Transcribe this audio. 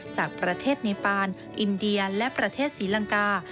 จากประเทศเนปานอินเดียและประเทศศรีลังกา